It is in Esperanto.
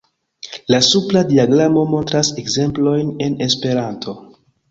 La supra diagramo montras ekzemplojn en esperanto.